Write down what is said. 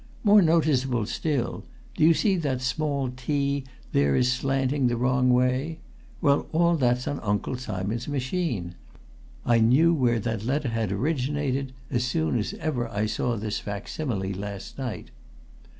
More noticeable still do you see that the small t there is slanting the wrong way? Well, all that's on Uncle Simon's machine! I knew where that letter had originated as soon as ever I saw this facsimile last night."